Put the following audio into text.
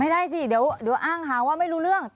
ไม่ได้สิเดี๋ยวอ้างหาว่าไม่รู้เรื่อง